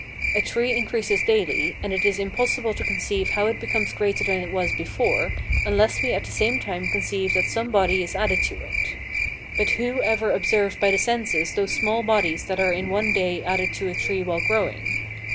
A tree increases daily, and it is impossible to conceive how it becomes greater than it was before, unless we at the same time conceive that some body is added to it. But who ever observed by the senses those small bodies that are in one day added to a tree while growing?